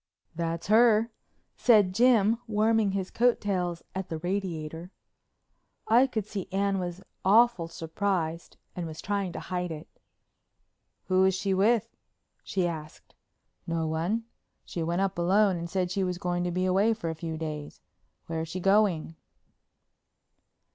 "That's her," said Jim, warming his coat tails at the radiator. I could see Anne was awful surprised and was trying to hide it. "Who was she with?" she asked. "No one. She went up alone and said she was going to be away for a few days. Where's she going?"